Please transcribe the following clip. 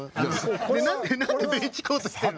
何で何でベンチコート着てるの？